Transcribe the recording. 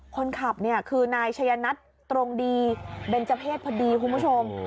คนขับเนี่ยคือนายชัยนัทตรงดีเบนเจอร์เพศพอดีคุณผู้ชม